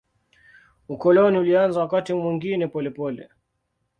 Ukoloni ulianza wakati mwingine polepole.